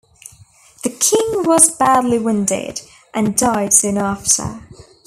The king was badly wounded, and died soon after.